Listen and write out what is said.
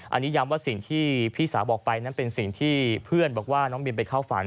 อันนี้ย้ำว่าสิ่งที่พี่สาวบอกไปนั้นเป็นสิ่งที่เพื่อนบอกว่าน้องบินไปเข้าฝัน